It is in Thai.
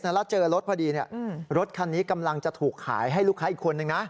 แล้วเจอรถพอดีรถคันนี้กำลังจะถูกขายให้ลูกค้าอีกคนนึงนะ